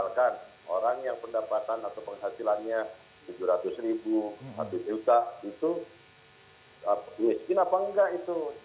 misalkan orang yang pendapatan atau penghasilannya tujuh ratus ribu satu juta itu miskin apa enggak itu